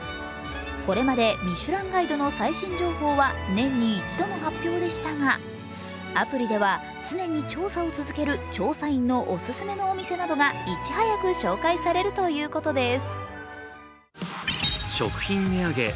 これまで「ミシュランガイド」の最新情報は年に１度の発表でしたが、アプリでは、常に調査を続ける調査員のお勧めのお店などがいち早く紹介されるということです。